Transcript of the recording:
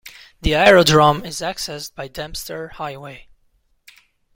The aerodrome is accessed by Dempster Highway.